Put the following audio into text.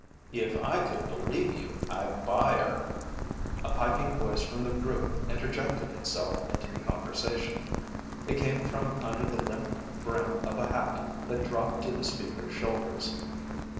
"If I could believe you, I'd buy her." A piping voice from the group interjected itself into the conversation. It came from under the limp brim of a hat that dropped to the speaker's shoulders.